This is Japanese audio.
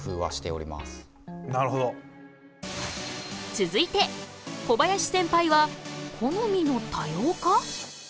続いて小林センパイは「好みの多様化」？